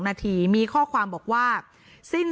หนูจะให้เขาเซอร์ไพรส์ว่าหนูเก่ง